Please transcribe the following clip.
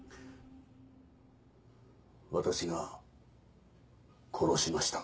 私が殺しました。